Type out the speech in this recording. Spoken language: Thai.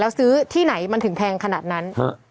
แล้วซื้อที่ไหนมันถึงแพงขนาดนั้น